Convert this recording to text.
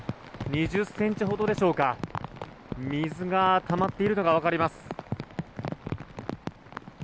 ２０ｃｍほどでしょうか水がたまっているのが分かります。